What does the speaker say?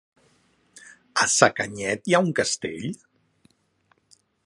A Sacanyet hi ha un castell?